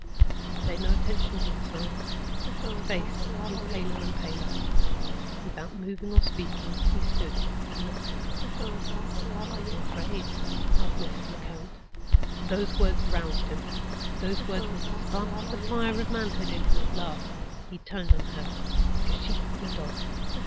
He paid no attention to the sign. His face grew paler and paler. Without moving or speaking he stood and looked at her. "Are you afraid?" asked Mrs. Lecount. Those words roused him; those words lit a spark of the fire of manhood in him at last. He turned on her like a sheep on a dog.